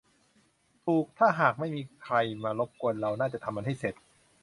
ถูก ถ้าหากไม่มีใครมารบกวนเราน่าจะทำมันเสร็จ